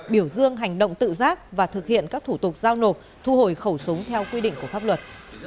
biểu dương hành động tự giác và thực hiện các thủ tục giao nộp thu hồi khẩu súng theo quy định của pháp luật